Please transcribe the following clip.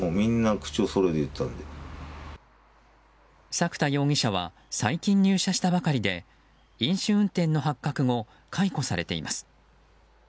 作田容疑者は最近入社したばかりで飲酒運転の発覚後解雇されています。